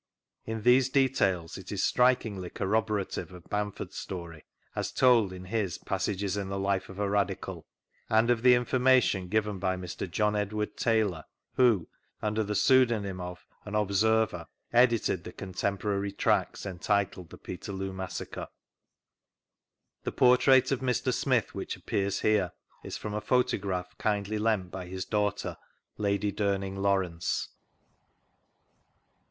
In thtese details it is strikingly corroborative of Bamford's story, as told in his Passages in the Life of a Radical, and of the information given by Mr. John Edward Taylor, who— under the pseudonym of " An Observer "—edited the contemporary tracts entitled The Peterloo Massacre. The portrait of Mr. Smith which ap^iears here is from a photograph kindly lent by his daughter. Lady Duming Lawrence.